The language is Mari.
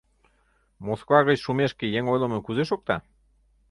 Москва гыч шумешке еҥ ойлымо кузе шокта?